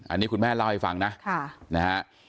อันนี้คุณแม่เล่าให้ฟังนะนะฮะ